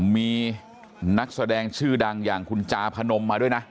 มีนักแสดงชื่อดังอย่างคุณจาพนมมาด้วยนะ